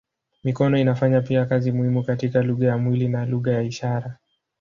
Mikono inafanya pia kazi muhimu katika lugha ya mwili na lugha ya ishara.